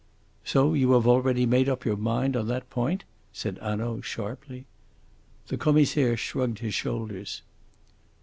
"So you have already made your mind up on that point!" said Hanaud sharply. The Commissaire shrugged his shoulders.